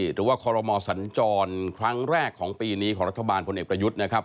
หรือว่าคอรมอสัญจรครั้งแรกของปีนี้ของรัฐบาลพลเอกประยุทธ์นะครับ